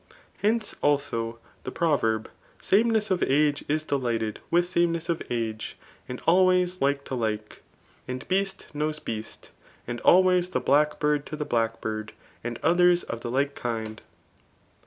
H6nce, also, the proverb sameness of age is delighted mA sameness of age ; and*^ ahDOys like to Uke ; and, beast knows beast; and, d^ itMys ike biackbitd to the bJackUrd^ and odiers of die ^e kind.